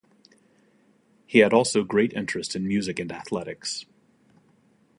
He had also great interest in music and athletics.